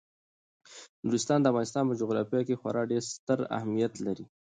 نورستان د افغانستان په جغرافیه کې خورا ډیر ستر اهمیت لري.